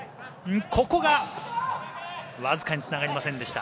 ここがわずかにつながりませんでした。